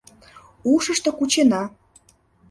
Ушышто кучена.